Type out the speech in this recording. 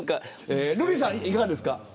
瑠麗さん、いかがですか。